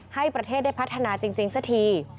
ให้ประเทศได้พัฒนาจริงสักที